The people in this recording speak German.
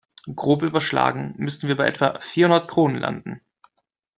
Grob überschlagen müssten wir bei etwa vierhundert Kronen landen.